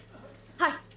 はい。